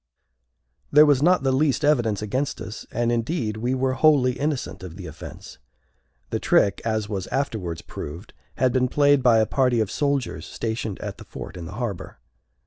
There was not the least evidence against us; and, indeed, we were wholly innocent of the offence. The trick, as was afterwards proved, had been played by a party of soldiers stationed at the fort in the harbor.